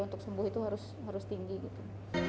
untuk sembuh itu harus tinggi gitu